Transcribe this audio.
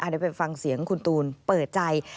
โดยเป็นฟังเสียงคุณตูนเปิดใจ